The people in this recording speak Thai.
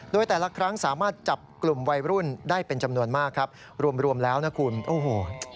โดยแต่ละครั้งสามารถจับกลุ่มวัยรุ่นได้เป็นจำนวนมากครับรวมรวมแล้วนะคุณโอ้โห